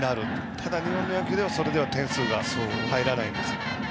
ただ、日本の野球では点数がそれでは入らないんですよ。